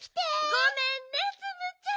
ごめんねツムちゃん。